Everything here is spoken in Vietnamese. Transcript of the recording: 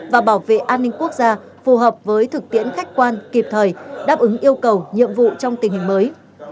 và bảo vệ an ninh quốc gia phù hợp với thực tiễn khách quan kịp thời đáp ứng yêu cầu nhiệm vụ trong tình hình mới